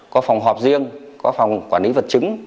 có phòng họp riêng có phòng quản lý vật chứng